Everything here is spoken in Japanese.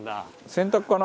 洗濯かな？